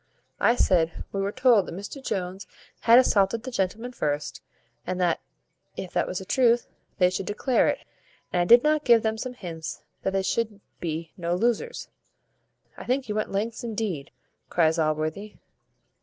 I said, we were told that Mr Jones had assaulted the gentleman first, and that, if that was the truth, they should declare it; and I did give them some hints that they should be no losers." "I think you went lengths indeed," cries Allworthy.